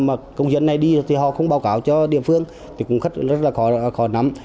mà công dân này đi thì họ không báo cáo cho địa phương thì cũng rất là khó nắm